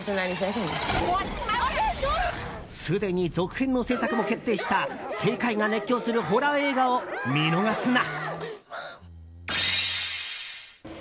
すでに続編の制作も決定した世界が熱狂するホラー映画を見逃すな。